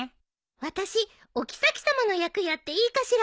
私おきさき様の役やっていいかしら？